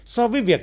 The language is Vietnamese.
so với việc